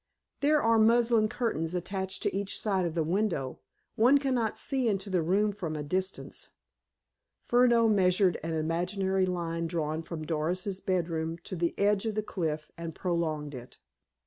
"There are muslin curtains attached to each side of the window. One cannot see into the room from a distance." Furneaux measured an imaginary line drawn from Doris's bedroom to the edge of the cliff, and prolonged it.